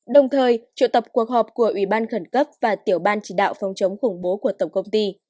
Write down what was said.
đồng thời triệu tập cuộc họp của ủy ban khẩn cấp và tiểu ban chỉ đạo phòng chống khủng bố của tổng công ty